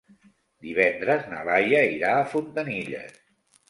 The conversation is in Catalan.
Divendres na Laia irà a Fontanilles.